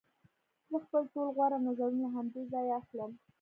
زه خپل ټول غوره نظرونه له همدې ځایه اخلم